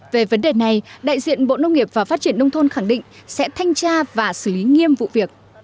về vấn đề này đại diện bộ nông nghiệp và phát triển nông thôn khẳng định sẽ thanh tra và xử lý nghiêm vụ việc